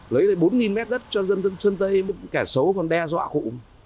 lấy lại bốn mét đất cho dân sân tây một cả sấu còn đe dọa cụ